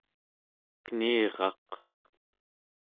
keniraq